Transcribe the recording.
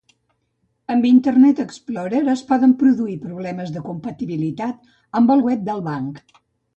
Amb Internet Explorer es poden produir problemes de compatibilitat amb el web del banc.